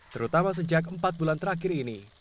terutama sejak empat bulan terakhir ini